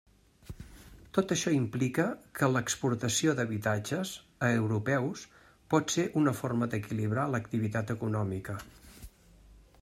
Tot això implica que l'«exportació d'habitatges» a europeus pot ser una forma d'equilibrar l'activitat econòmica.